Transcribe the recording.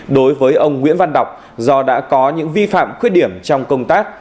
đối với ông nguyễn văn đọc do đã có những vi phạm khuyết điểm trong công tác